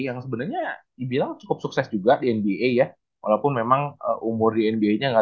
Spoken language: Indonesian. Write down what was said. yang sebenarnya dibilang cukup sukses juga di nba ya walaupun memang umur di nba nya nggak